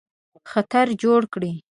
خطر جوړ کړي.